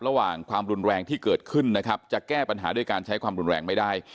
ความรุนแรงที่เกิดขึ้นนะครับจะแก้ปัญหาด้วยการใช้ความรุนแรงไม่ได้